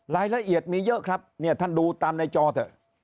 รายละเอียดมีเยอะครับเนี่ยท่านดูตามในจอเถอะ